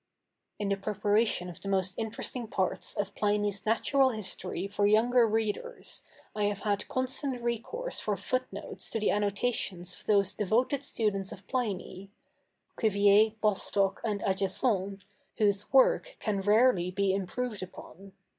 In the preparation of the most interesting parts of Pliny's Natural History for younger readers, I have had constant recourse for foot notes to the annotations of those devoted students of Pliny—Cuvier, Bostock, and Ajasson, whose work can rarely be improved upon.